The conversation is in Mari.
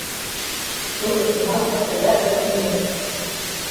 Тудо Суматраште ятыр ийым служитлен.